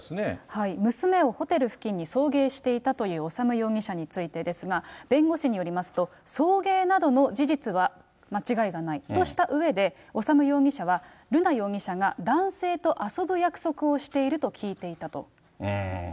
娘をホテル付近に送迎していたという修容疑者についてですが、弁護士によりますと送迎などの事実は間違いがないとしたうえで、修容疑者は、瑠奈容疑者が男性と遊ぶ約束をしていたと聞いている。